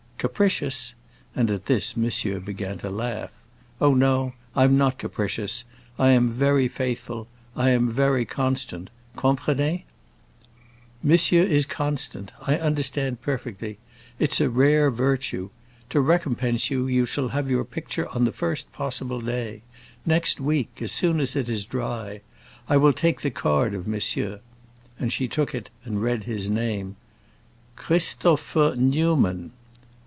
"Capricious?" And at this monsieur began to laugh. "Oh no, I'm not capricious. I am very faithful. I am very constant. Comprenez?" "Monsieur is constant; I understand perfectly. It's a rare virtue. To recompense you, you shall have your picture on the first possible day; next week—as soon as it is dry. I will take the card of monsieur." And she took it and read his name: "Christopher Newman."